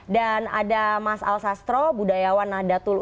dan ada mas al sastro budayawan nahdlatul ulama